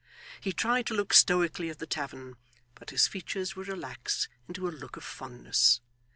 He tried to look stoically at the tavern, but his features would relax into a look of fondness.